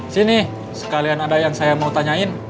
sini sekalian ada yang saya mau tanyain